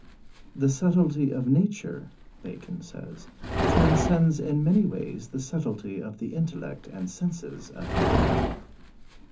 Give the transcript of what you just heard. "The subtlety of nature," Bacon says, "transcends in many ways the subtlety of the intellect and senses of man."